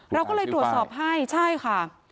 เราก็เลยตรวจสอบให้ใช่ค่ะ